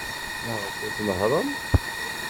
Maɣef ur tnehhṛem?